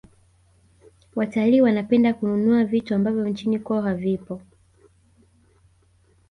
watalii wanapenda kununua vitu ambavyo nchini kwao havipo